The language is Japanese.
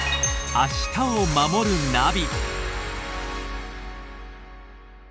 「明日をまもるナビ」